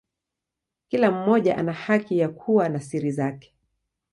Kila mmoja ana haki ya kuwa na siri zake.